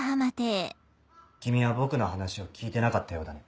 君は僕の話を聞いてなかったようだね。